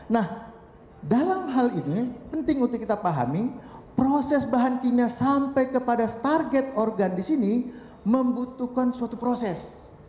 nah dalam hal ini penting untuk kita pahami proses bahan kimia sampai kepada target organ di sini membutuhkan suatu proses